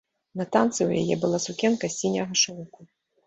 На танцы ў яе была сукенка з сіняга шоўку.